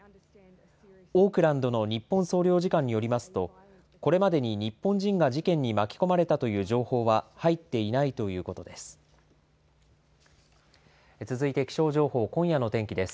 オークランドの日本総領事館によりますとこれまでに日本人が事件に巻き込まれたという情報は入っていないということです。